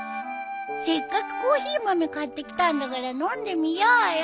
せっかくコーヒー豆買ってきたんだから飲んでみようよ。